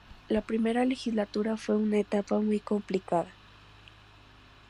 La I Legislatura fue una etapa muy complicada.